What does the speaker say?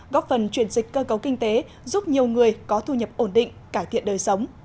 góp phần chuyển dịch cơ cấu kinh tế giúp nhiều người có thu nhập ổn định cải thiện đời sống